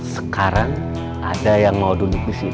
sekarang ada yang mau duduk disini